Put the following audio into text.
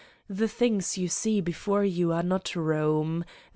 . the things you see before you are not Eome.